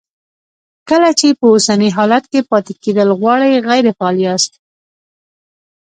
کله چې په اوسني حالت کې پاتې کېدل غواړئ غیر فعال یاست.